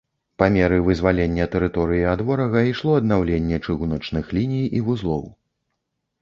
Па меры вызвалення тэрыторыі ад ворага ішло аднаўленне чыгуначных ліній і вузлоў.